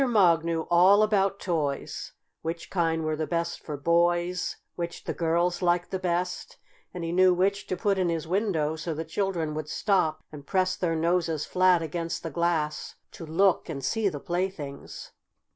Mugg knew all about toys, which kind were the best for boys, which the girls liked the best, and he knew which to put in his window so the children would stop and press their noses flat against the glass to look and see the playthings.